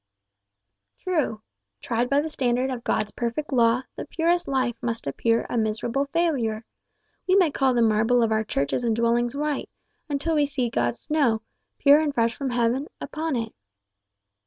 "True. Tried by the standard of God's perfect law, the purest life must appear a miserable failure. We may call the marble of our churches and dwellings white, until we see God's snow, pure and fresh from heaven, upon it."